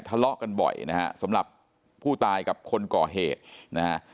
ทะเลาะกันบ่อยนะฮะสำหรับผู้ตายกับคนก่อเหตุนะฮะ